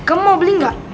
kamu mau beli gak